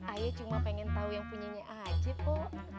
ayo cuma pengen tau yang punya aja po